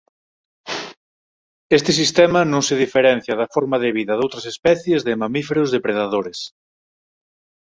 Este sistema non se diferencia da forma de vida doutras especies de mamíferos depredadores.